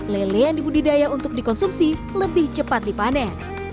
lele yang dibudidaya untuk dikonsumsi lebih cepat dipanen